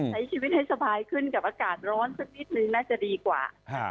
ใช้ชีวิตให้สบายขึ้นกับอากาศร้อนสักนิดนึงน่าจะดีกว่า